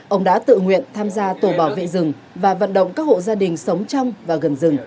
ông đã tự nguyện tham gia tổ bảo vệ rừng và vận động các hộ gia đình sống trong và gần rừng